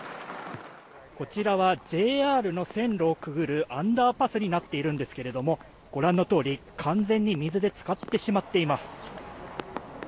こちらはＪＲの線路をくぐるアンダーパスになっているんですけれどもご覧のとおり、完全に水で浸かってしまっています。